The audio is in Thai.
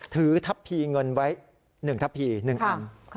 ถือทัพพีเงินไว้๑ทัพพี๑อัน